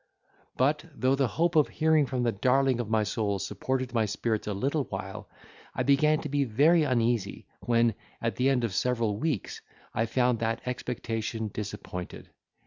But, though the hope of hearing from the darling of my soul supported my spirits a little while, I began to be very uneasy, when, at the end of several weeks I found that expectation disappointed.